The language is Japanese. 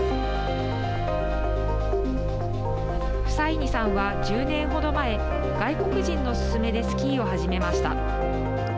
フサイニさんは、１０年程前外国人の勧めでスキーを始めました。